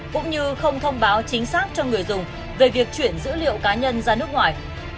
cũng như không thông báo chính xác cho người dùng về việc chuyển dữ liệu cá nhân ra nước ngoài